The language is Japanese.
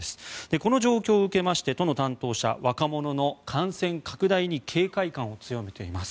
この状況を受けて都の担当者若者の感染拡大に警戒感を強めています。